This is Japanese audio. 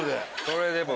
それでも。